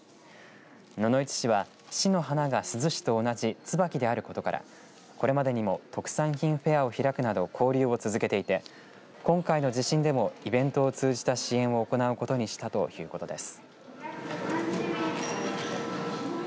野々市市は市の花が珠洲市と同じツバキであることからこれまでにも特産品フェアを開くなど交流を続けていて今回の地震でもイベントを通じた支援を行うことにしたということです。